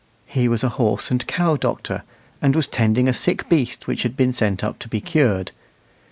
He was a horse and cow doctor, and was tending a sick beast which had been sent up to be cured.